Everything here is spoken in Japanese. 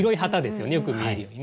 よく見えるようにね。